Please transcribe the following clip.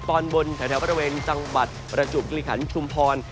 ตอนบนแถวบริเวณจังหวัดประจวบคิริขันชุมพร